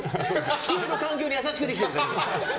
地球の環境に優しくできてる。